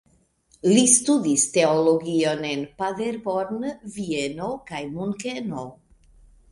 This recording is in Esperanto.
Li studis teologion en Paderborn, Vieno kaj Munkeno.